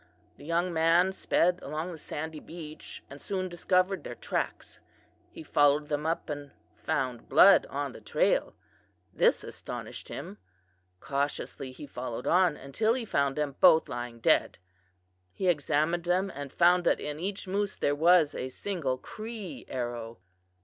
The young man sped along the sandy beach and soon discovered their tracks. He followed them up and found blood on the trail. This astonished him. Cautiously he followed on until he found them both lying dead. He examined them and found that in each moose there was a single Cree arrow.